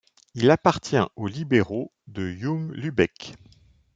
Il appartient aux libéraux de Jung-Lübeck.